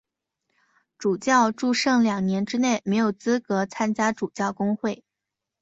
主教祝圣两年之内没有资格参加主教公会。